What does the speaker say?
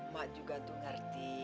mak juga tuh ngerti